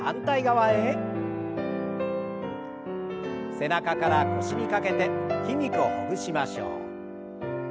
背中から腰にかけて筋肉をほぐしましょう。